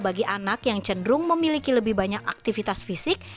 bagi anak yang cenderung memiliki lebih banyak aktivitas fisik